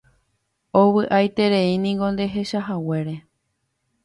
Ovy'aitereínteko nderechahaguére